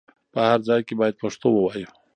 په هر ځای کې بايد پښتو ووايو.